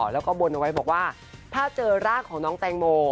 แล้วก็บนเอาไว้บอกว่าถ้าเจอร่างของน้องแตงโม